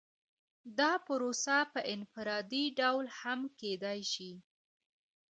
دا پروسه په انفرادي ډول هم کیدای شي.